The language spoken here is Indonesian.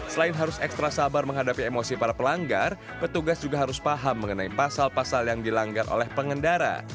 selain harus ekstra sabar menghadapi emosi para pelanggar petugas juga harus paham mengenai pasal pasal yang dilanggar oleh pengendara